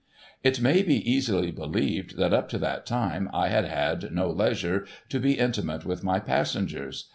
It may be easily believed that up to that time I had had no leisure to be intimate with my passengers.